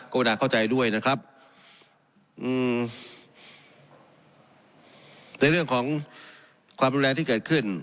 กรุณาเข้าใจด้วยนะครับอืมในเรื่องของความรุนแรงที่เกิดขึ้น